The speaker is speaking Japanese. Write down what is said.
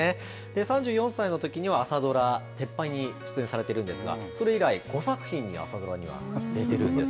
３４歳のときには、朝ドラ、てっぱんに出演されてるんですが、それ以来、５作品に朝ドラには出てるんです。